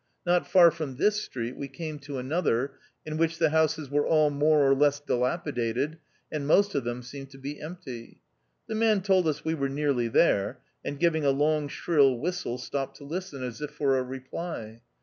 Not far from this street, we came to another, in which the houses were all more or less dilapidated, and most of them seemed to be empty. The man told us we were " nearly there," and giving a long shrill whistle, stopped to listen as if for a reply.